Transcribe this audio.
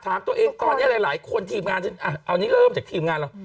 ถามตัวเองตอนนี้หลายคนทีมงานฉันเอานี่เริ่มจากทีมงานเรา